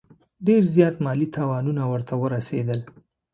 ډېر زیات مالي تاوانونه ورته ورسېدل.